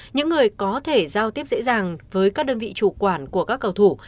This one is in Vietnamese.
những người có thể giao tiếp dễ dàng với các đơn vị chủ quản của các cầu thủ